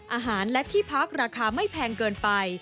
อาหารและที่พักราคาไม่แพงเกินไป